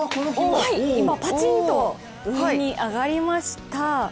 今、パチンと上に上がりました。